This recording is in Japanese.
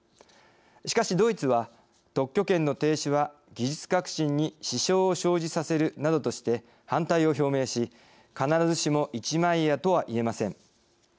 しかし、ドイツは特許権の停止は技術革新に支障を生じさせるなどとして反対を表明し必ずしも一枚岩とはいえません。